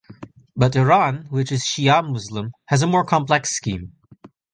But Iran, which is Shi'a Muslim, has a more complex scheme.